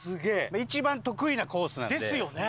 一番得意なコースなんで。ですよね。